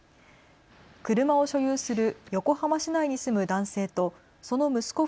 車を所有する横浜市内に住む男性とその息子